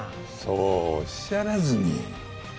そうおっしゃらずに。